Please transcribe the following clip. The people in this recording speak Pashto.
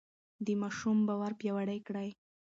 د ماشوم باور پیاوړی کړئ.